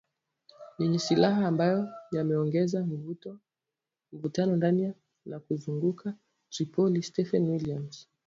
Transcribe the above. yenye silaha ambayo yameongeza mvutano ndani na kuzunguka Tripoli Stephanie Williams